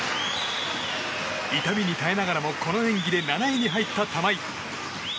痛みに耐えながらもこの演技で７位に入った玉井。